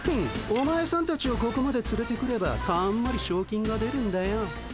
お前さんたちをここまでつれてくればたんまりしょう金が出るんだよ。